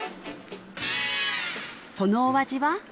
そのお味は？